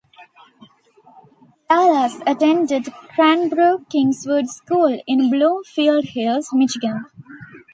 Lalas attended Cranbrook Kingswood School in Bloomfield Hills, Michigan.